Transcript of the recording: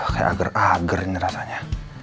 kayak ager ager ini rasanya